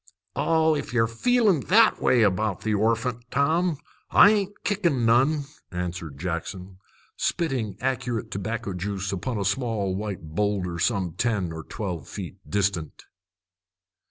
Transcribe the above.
"Oh, if ye're feeling that way about the orphant, Tom, I ain't kickin' none," answered Jackson, spitting accurate tobacco juice upon a small white boulder some ten or twelve feet distant.